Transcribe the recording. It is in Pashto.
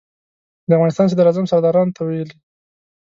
د افغانستان صدراعظم سردارانو ته ویلي.